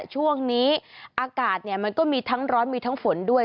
ช่วงนี้อากาศมันก็มีทั้งร้อนมีทั้งฝนด้วย